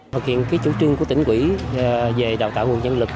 thực hiện chủ trương của tỉnh quỹ về đào tạo nguồn nhân lực